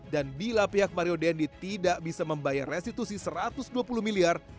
dan bila pihak mario dendi tidak bisa membayar restitusi satu ratus dua puluh miliar